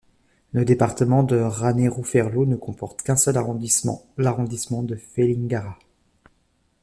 Le département de Ranérou-Ferlo ne comporte qu'un seul arrondissement, l'arrondissement de Vélingara.